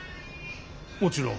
もちろん。